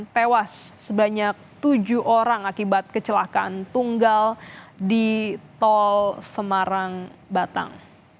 tewas sebanyak tujuh orang akibat kecelakaan tunggal di tol semarang batang